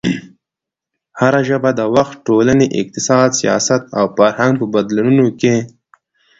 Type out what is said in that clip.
هره ژبه د وخت، ټولنې، اقتصاد، سیاست او فرهنګ په بدلونونو کې